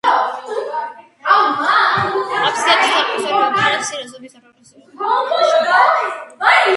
აფსიდში, სარკმლის ორივე მხარეს, მცირე ზომის ორ-ორი სწორკუთხა ნიშია.